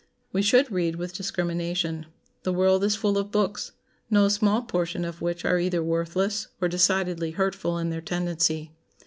We should read with discrimination. The world is full of books, no small portion of which are either worthless or decidedly hurtful in their tendency.